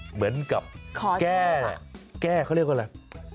เหมือนกับแก้เขาเรียกว่าอะไร